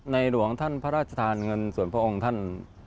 หลวงท่านพระราชทานเงินส่วนพระองค์ท่าน